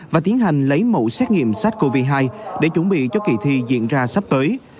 và tiến hành lấy mẫu xét nghiệm sars cov hai để chuẩn bị cho kỳ thi diễn ra sắp tới